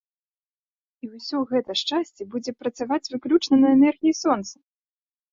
І ўсё гэта шчасце будзе працаваць выключна на энергіі сонца!